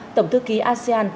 tổng thư ký asean